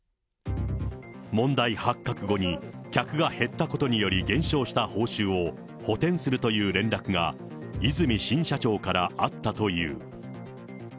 問題発覚後に、客が減ったことにより減少した報酬を、補填するという連絡が、和泉新社長からあったという。